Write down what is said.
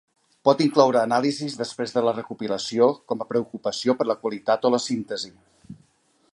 Pot incloure anàlisis després de la recopilació, com a preocupació per la qualitat o la síntesi.